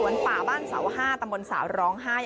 ที่บริเวณสวนป่าบ้านเสาร์ห้าตำบลสาวร้องไห้